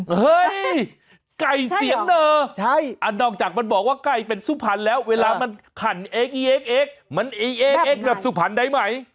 เฮ้ยไก่เสียงเนอนอกจากมันบอกว่าไก่เป็นสุพรรณแล้วเวลามันขั่นเอ็กอีเอ็กเอ็กซมันอีเอ็กแบบสุพรรณได้ไหม